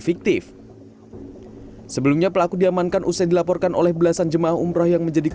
fiktif sebelumnya pelaku diamankan usai dilaporkan oleh belasan jemaah umroh yang menjadi